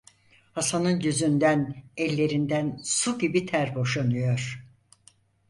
Hasan'ın yüzünden, ellerinden su gibi ter boşanıyor…